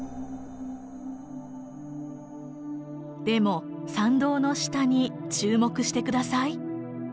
でも桟道の下に注目して下さい。